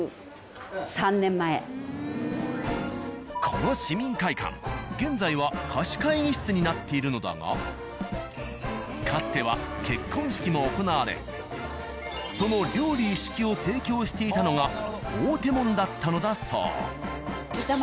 この市民会館現在は貸し会議室になっているのだがかつては結婚式も行われその料理一式を提供していたのが「大手門」だったのだそう。